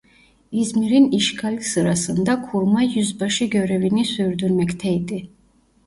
İzmir'in İşgali sırasında kurmay yüzbaşı görevini sürdürmekteydi.